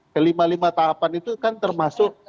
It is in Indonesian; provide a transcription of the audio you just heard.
kelima lima tahapan itu kan termasuk